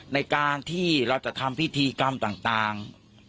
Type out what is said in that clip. ในการที่เราจะทำพิธีกรรมต่าง